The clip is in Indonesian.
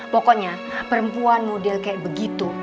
pokoknya perempuan model kayak begitu